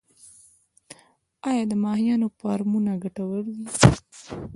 آیا د ماهیانو فارمونه ګټور دي؟